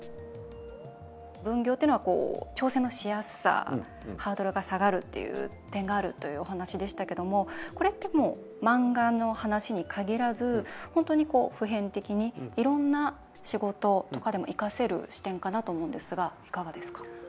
分業っていうのは挑戦のしやすさハードルが下がるという点があるというお話でしたけどもこれって、もう漫画の話に限らず本当に普遍的にいろんな仕事とかでも生かせる視点かなと思うんですがいかがですか？